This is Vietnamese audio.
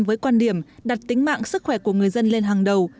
với quan điểm đặt tính mạng sức khỏe của người dân lên hàng đầu